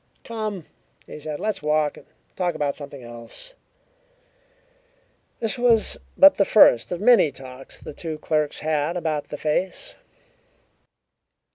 "Come," he said. "Let's walk and talk about something else." This was but the first of many talks the two clerks had about the face.